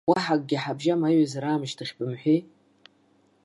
Уаҳа акгьы ҳабжьам аиҩызара аамышьҭахь бымҳәеи.